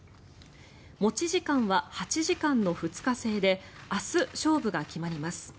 持ち時間は８時間の２日制で明日、勝負が決まります。